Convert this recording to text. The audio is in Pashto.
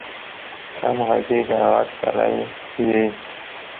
سم غږېږه غټ سړی یې